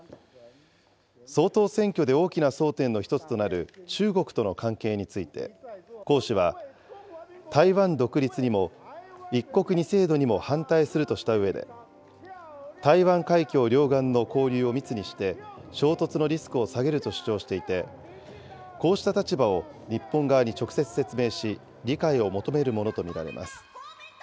総統選挙で大きな争点の１つとなる中国との関係について、侯氏は、台湾独立にも一国二制度にも反対するとしたうえで、台湾海峡両岸の交流を密にして、衝突のリスクを下げると主張していて、こうした立場を日本側に直接説明し、理解を求めるものと見られます。